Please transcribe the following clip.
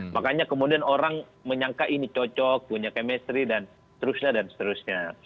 makanya kemudian orang menyangka ini cocok punya chemistry dan seterusnya dan seterusnya